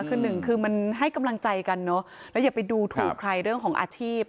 คือหนึ่งคือมันให้กำลังใจกันเนอะแล้วอย่าไปดูถูกใครเรื่องของอาชีพ